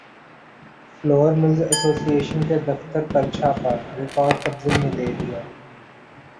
floor mills association کے دفترپر چھاپہ ریکارڈ قبضہ میں لے لیا